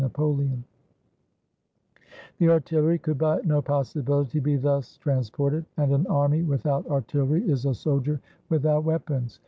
126 WHEN NAPOLEON CROSSED THE ALPS The artillery could by no possibility be thus trans ported; and an army without artillery is a soldier without weapons.